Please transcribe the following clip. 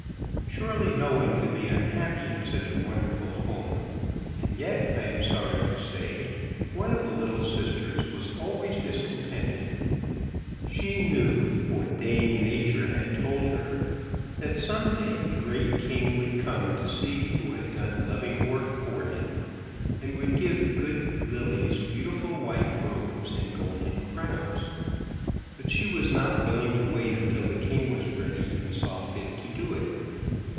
Surely no one could be unhappy in such a wonderful home, and yet, I, am sorry to say, one of the little sisters was always discontented. She knew, for Dame Nature had told her, that some day the Great King would come to see who had done loving work for him, and would give the good lilies beautiful white robes and golden crowns, but she was not willing to wait until the King was ready and saw fit to do it.